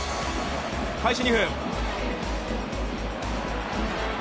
開始２分。